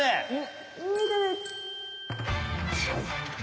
えっ！？